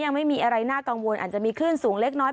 ยังไม่มีอะไรน่ากังวลอาจจะมีคลื่นสูงเล็กน้อย